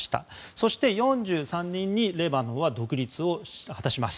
そして４３年にレバノンは独立を果たします。